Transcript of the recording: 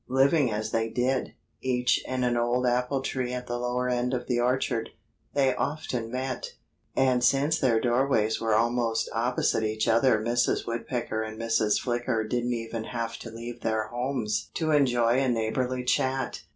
Living as they did, each in an old apple tree at the lower end of the orchard, they often met. And since their doorways were almost opposite each other Mrs. Woodpecker and Mrs. Flicker didn't even have to leave their homes to enjoy a neighborly chat.